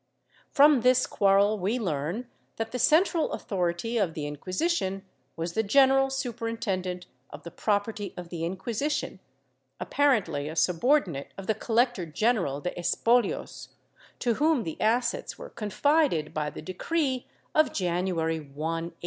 From this quarrel we leam that the central authonty of the Inquisition was the General Superintendent of the Property of the Inquisition — apparently a subordinate of the Colector general de Espolios, to whom the assets were confided by the decree of January 1, 1824.